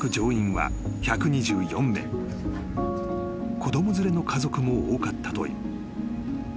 ［子供連れの家族も多かったという］